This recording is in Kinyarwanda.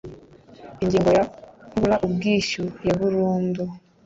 ingingo ya kubura ubwishyu burundu